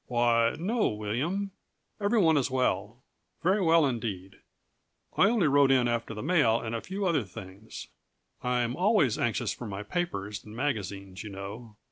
"Why, no, William. Every one is well very well indeed. I only rode in after the mail and a few other things. I'm always anxious for my papers and magazines, you know.